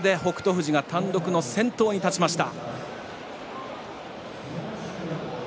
富士が単独先頭に立ちました。